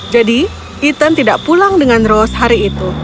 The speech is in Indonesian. jadi ethan tidak pulang dengan rose hari itu